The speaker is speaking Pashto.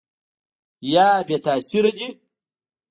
یا بې تاثیره دي ؟